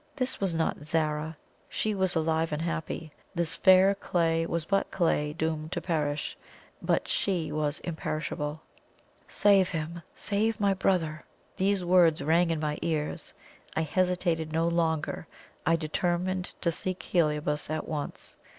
This was not Zara SHE was alive and happy; this fair clay was but clay doomed to perish, but SHE was imperishable. "Save him save my brother!" These words rang in my ears. I hesitated no longer I determined to seek Heliobas at once.